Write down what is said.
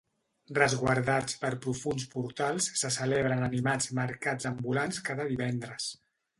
Resguardats pels profunds portals, se celebren animats mercats ambulants cada divendres.